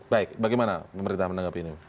baik bagaimana pemerintah menanggapi ini